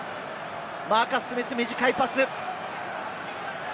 マーカス・スミス、短いパス。